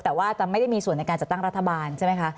แต่ว่าจะไม่ได้มีส่วนในการจัดตั้งรัฐบาลใช่ไหมคะ